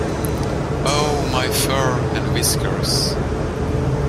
Oh my fur and whiskers!